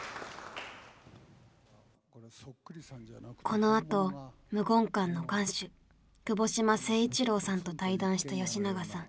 このあと無言館の館主窪島誠一郎さんと対談した吉永さん。